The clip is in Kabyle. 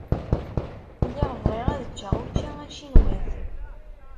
Lliɣ bɣiɣ ad ččeɣ učči acinwat.